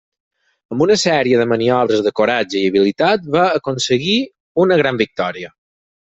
Amb una sèrie de maniobres de coratge i habilitat va aconseguir una gran victòria.